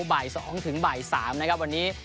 บ่าย๒ถึงบ่าย๓นะครับวันนี้